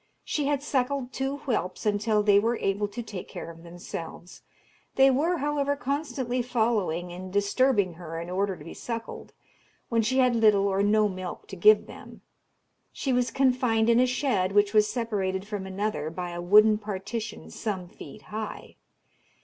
She had suckled two whelps until they were able to take care of themselves. They were, however, constantly following and disturbing her in order to be suckled, when she had little or no milk to give them. She was confined in a shed, which was separated from another by a wooden partition some feet high.